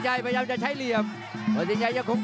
แล้วฃศิศาสนีรไตล่ะครับ